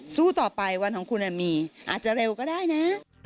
สู้ต่อไปวันของคุณมีอาจจะเร็วก็ได้นะ